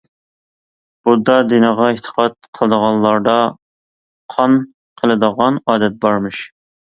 بۇددا دىنىغا ئېتىقاد قىلىدىغانلاردا قان قىلىدىغان ئادەت بارمىش.